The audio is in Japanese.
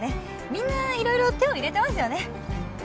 みんないろいろ手を入れてますよね。